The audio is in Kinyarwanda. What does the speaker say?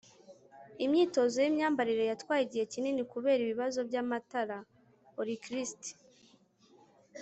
imyitozo yimyambarire yatwaye igihe kinini kubera ibibazo byamatara. (orcrist